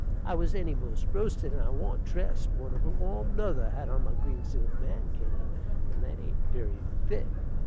I was eny most roasted, and I wa'n't dressed wonderful warm nother, had on my green silk mankiller, and that ain't very thick.